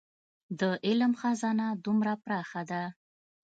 د علم خزانه دومره پراخه ده.